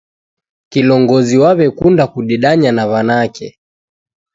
Kilongozi waw'ekunda kudedanya na w'anake.